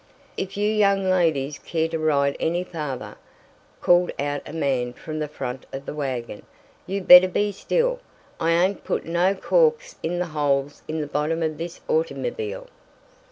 "If you young ladies care to ride any farther," called out a man from the front of the wagon, "you better be still. I ain't put no corks in the holes in the bottom of this autymobile."